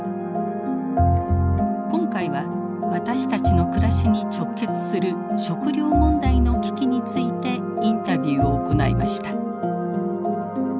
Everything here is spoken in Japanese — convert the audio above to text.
今回は私たちの暮らしに直結する食料問題の危機についてインタビューを行いました。